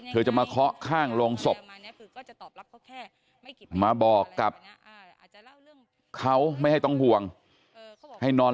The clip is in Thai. จะมาเคาะข้างโรงศพมาบอกกับเขาไม่ให้ต้องห่วงให้นอน